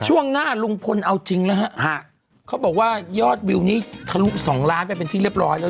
ช่วงหน้าลุงพลเอาจริงนะฮะเขาบอกว่ายอดวิวนี้ทะลุสองล้านไปเป็นที่เรียบร้อยแล้ว